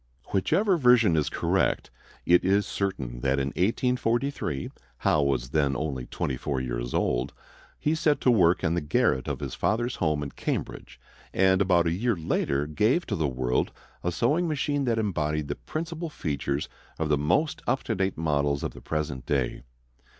Whichever version is correct, it is certain that in 1843 (Howe was then only twenty four years old) he set to work in the garret of his father's home in Cambridge, and about a year later gave to the world a sewing machine that embodied the principal features of the most up to date models of the present day.